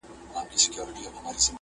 څوك به بولي له اټكه تر مالانه٫